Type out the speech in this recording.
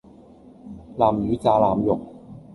南乳炸腩肉